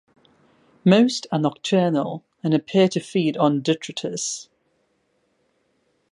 Most are nocturnal and appear to feed on detritus.